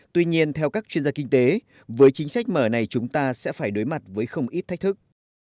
tuy nhiên theo các chuyên gia kinh tế với chính sách mở này chúng ta sẽ phải đối mặt với không ít thách thức